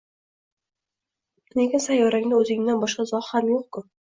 — Lekin sayyorangda o‘zingdan boshqa zog‘ ham yo‘q-ku!